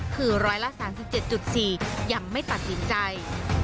คือ๑๓๗๔ยังไม่ตัดสินใจ